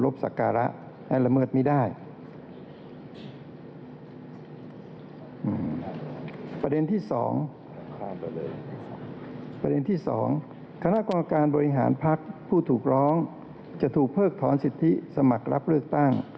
ประเด็นที่๒คณะกรรมการบริหารพักผู้ถูกร้องจะถูกเพิกถอนสิทธิสมัครรับเลือกตั้ง